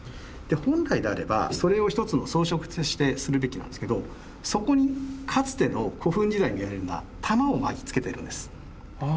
本来であればそれを一つの装飾としてするべきなんですけどそこにかつての古墳時代にやるような玉を巻き付けてるんです。